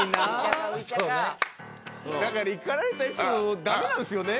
だから怒られたエピソードダメなんですよね。